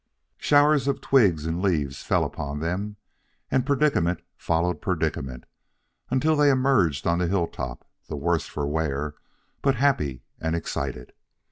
Showers of twigs and leaves fell upon them, and predicament followed predicament, until they emerged on the hilltop the worse for wear but happy and excited.